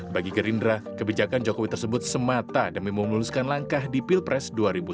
bagi gerindra kebijakan jokowi tersebut semata demi memuluskan langkah di pilpres dua ribu sembilan belas